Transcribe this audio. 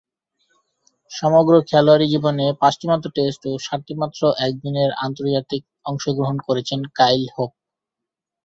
সমগ্র খেলোয়াড়ী জীবনে পাঁচটিমাত্র টেস্ট ও সাতটিমাত্র একদিনের আন্তর্জাতিকে অংশগ্রহণ করেছেন কাইল হোপ।